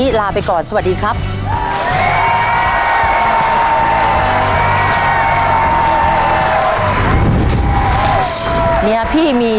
ทำไม